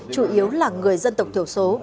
chủ yếu là người dân tộc thiểu số